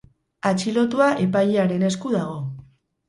Atxilotua epailearen esku dago.